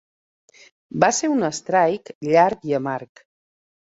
Va ser un strike llarg i amarg.